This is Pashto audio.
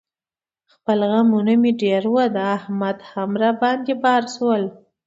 خپل غمونه مې ډېر و، د احمد هم را باندې بار شول.